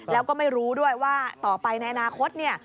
แล้วก็ไม่รู้ด้วยว่าต่อไปในอนาคตเนี่ย